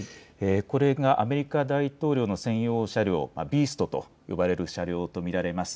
これがアメリカ大統領の専用車両、ビーストと呼ばれる車両と見られます。